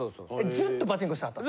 ずっとパチンコしてはったん？